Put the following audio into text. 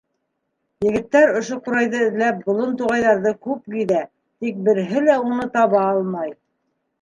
Егеттәр ошо ҡурайҙы эҙләп болон-туғайҙарҙы күп гиҙә, тик береһе лә уны таба алмай.